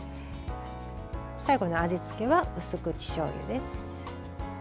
最後の味付けはうす口しょうゆです。